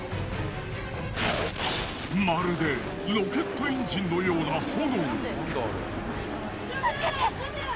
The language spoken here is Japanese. まるでロケットエンジンのような炎。